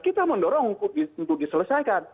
kita mendorong untuk diselesaikan